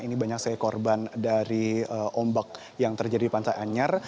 ini banyak sekali korban dari ombak yang terjadi di pantai anyar